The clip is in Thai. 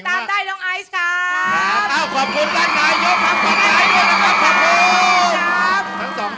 มันเป็นพลังจิต